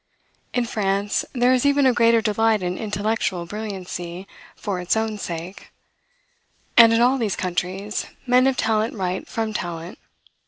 In France, there is even a greater delight in intellectual brilliancy, for its own sake. And, in all these countries, men of talent write from talent.